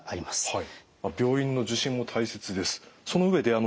はい。